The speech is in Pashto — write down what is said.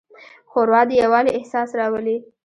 ښوروا د یووالي احساس راولي.